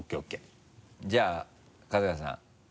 じゃあ春日さん。